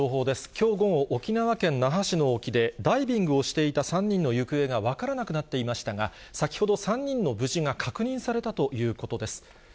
きょう午後、沖縄県那覇市の沖で、ダイビングをしていた３人の行方が分からなくなっていましたが、先ほど３人の無事が確認されたということです。